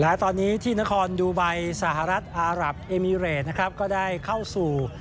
และตอนนี้ที่นครดูไบสหรัฐอารับเอมิเรตนะครับก็ได้เข้าสู่